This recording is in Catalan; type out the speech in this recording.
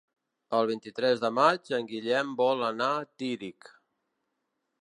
El vint-i-tres de maig en Guillem vol anar a Tírig.